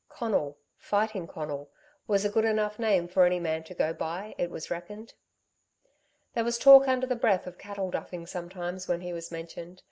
Conal Fighting Conal was a good enough name for any man to go by, it was reckoned. There was talk under the breath of cattle duffing sometimes when he was mentioned.